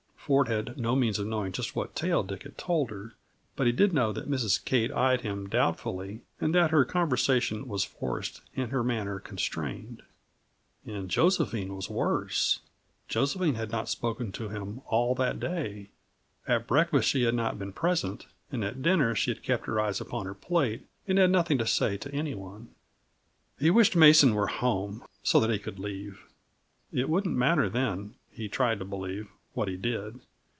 Ford had no means of knowing just what tale Dick had told her, but he did know that Mrs. Kate eyed him doubtfully, and that her conversation was forced and her manner constrained. And Josephine was worse. Josephine had not spoken to him all that day. At breakfast she had not been present, and at dinner she had kept her eyes upon her plate and had nothing to say to any one. He wished Mason was home, so that he could leave. It wouldn't matter then, he tried to believe, what he did.